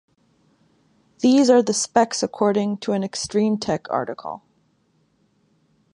These are the specs according to a ExtremeTech article.